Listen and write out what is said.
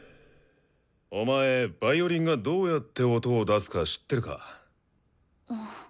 お前ヴァイオリンがどうやって音を出すか知ってるか？